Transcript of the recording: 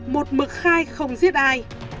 một mực khai không giết ai